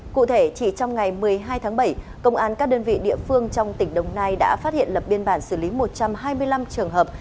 cụ thể chỉ trong ngày một mươi hai tháng bảy công an các đơn vị địa phương trong tỉnh đồng nai đã phát hiện lập biên bản xử lý một trăm hai mươi năm trường hợp